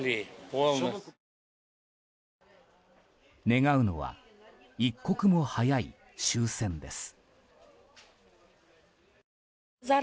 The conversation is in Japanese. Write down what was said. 願うのは一刻も早い終戦です。